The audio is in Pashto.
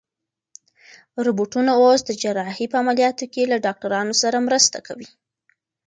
روبوټونه اوس د جراحۍ په عملیاتو کې له ډاکټرانو سره مرسته کوي.